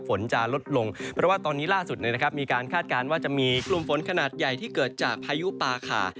ฝนจะลดลงเพราะว่าตอนนี้ล่าสุดมีการคาดการณ์ว่าจะมีกลุ่มฝนขนาดใหญ่ที่เกิดจากพายุปาขา